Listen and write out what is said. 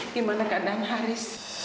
gimana keadaan haris